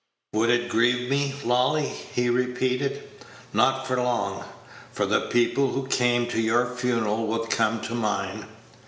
"Would it grieve me, Lolly!" he repeated; "not for long; for the people who came to your funeral would come to mine.